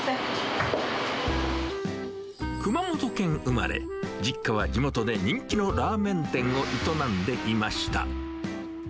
熊本県生まれ、実家は地元で人気のラーメン店を営んでいました。